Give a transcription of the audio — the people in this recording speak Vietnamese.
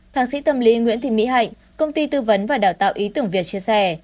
thạc sĩ tâm lý nguyễn thị mỹ hạnh công ty tư vấn và đào tạo ý tưởng việt chia sẻ